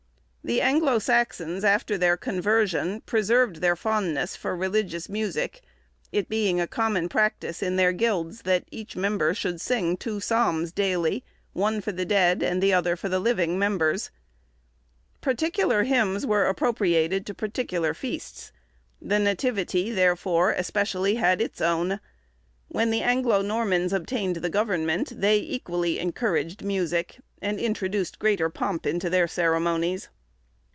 The Anglo Saxons, after their conversion, preserved their fondness for religious music, it being a common practice in their guilds that each member should sing two psalms daily, one for the dead, and the other for the living members. Particular hymns were appropriated to particular feasts; the Nativity, therefore, especially had its own. When the Anglo Normans obtained the government, they equally encouraged music, and introduced greater pomp into their ceremonies.